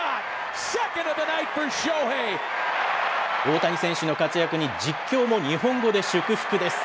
大谷選手の活躍に、実況も日本語で祝福です。